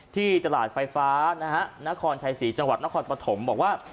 ที่ตลาดไฟฟ้านะฮะนครชัยศรีจังหวัดนครปฐมบอกว่า